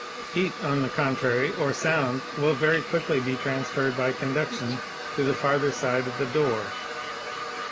Heat, on the contrary, or sound will very quickly be transferred by conduction to the farther side of the door.